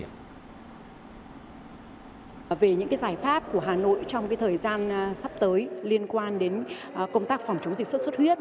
về những cái giải pháp của hà nội trong cái thời gian sắp tới liên quan đến công tác phòng chống dịch xuất huyết